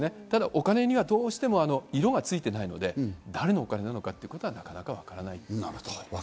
お金には色がついていないので、誰のお金なのかということはなかなかわからないです。